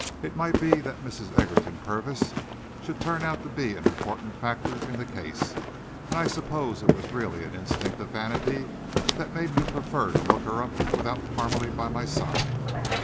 It might be that Mrs. Egerton Purvis should turn out to be an important factor in the case, and I suppose it was really an instinct of vanity that made me prefer to look her up without Parmalee by my side.